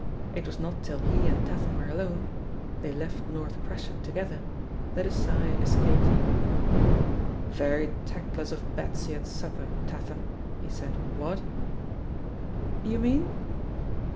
It was not till he and Tatham were alone — ^they left North Crescent together — ^that a sigh es caped him. "Very tactless of Betsy at supper, Tatham," he said, "what?" "You mean